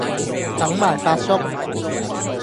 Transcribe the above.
等埋發叔